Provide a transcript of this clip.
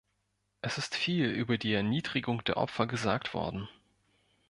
Es ist viel über die Erniedrigung der Opfer gesagt worden.